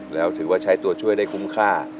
แล้วถือว่าใช้ตัวช่วยได้คุ้มค่า